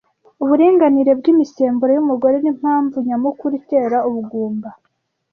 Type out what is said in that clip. Uburinganire bwimisemburo yumugore nimpamvu nyamukuru itera ubugumba.